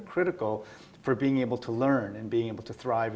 ketika mereka berubah ke dua